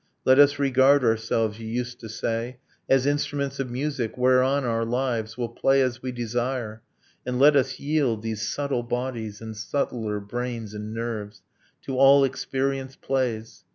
Let us regard ourselves, you used to say, As instruments of music, whereon our lives Will play as we desire: and let us yield These subtle bodies and subtler brains and nerves To all experience plays